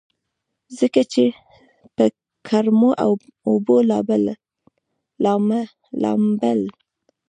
ځکه چې پۀ ګرمو اوبو لامبل